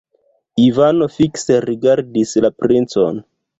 Ivano fikse rigardis la princon.